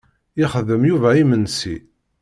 Ixeddem Yuba imensi.